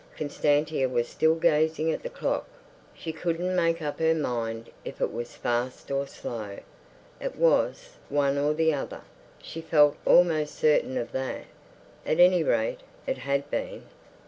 Constantia was still gazing at the clock. She couldn't make up her mind if it was fast or slow. It was one or the other, she felt almost certain of that. At any rate, it had been.